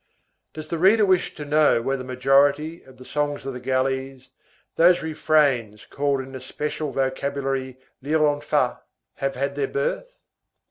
Does the reader wish to know where the majority of the songs of the galleys, those refrains called in the special vocabulary lirlonfa, have had their birth?